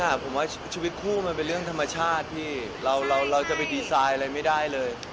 ผมว่าชีวิตคู่มันเป็นเรื่องธรรมชาติที่เราจะไปดีไซน์อะไรไม่ได้เลย